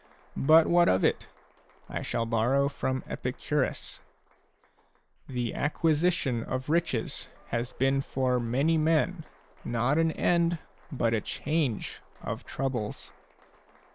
But what of it ? I shall borrow from Epicurus °:" The acquisition of riches has been for many men, not an end, but a change, of troubles."